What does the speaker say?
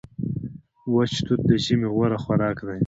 وچ توت د ژمي غوره خوراک دی.